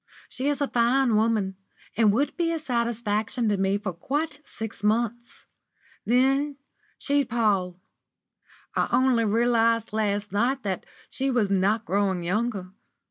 "She is a fine woman, and would be a satisfaction to me for quite six months. Then she'd pall. I only realised last night that she was not growing younger.